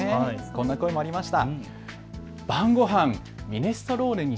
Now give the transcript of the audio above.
こんな声もありました。